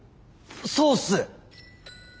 そうっす。